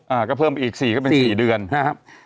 ๑๖อ่าก็เพิ่มอีก๔ก็เป็น๔เดือนนะครับ